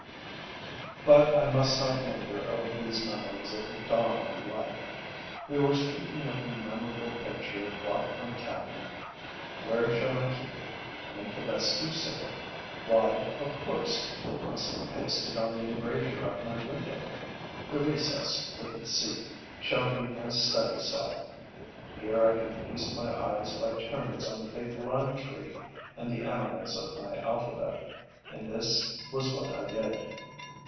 But I must not linger over these memories of the dawn of life. We were speaking of the memorable picture brought from town. Where shall I keep it, to make the best use of it? Why, of course, it must be pasted on the embrasure of my window. The recess, with its seat, shall be my study cell; here I can feast my eyes by turns on the big lime tree and the animals of my alphabet. And this was what I did.